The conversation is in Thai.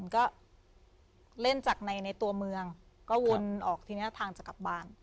ก็เล่นจากในตัวเมืองก็วนออกทีเนี้ยทางจะกลับบ้าน